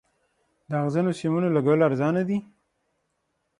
د اغزنو سیمونو لګول ارزانه دي؟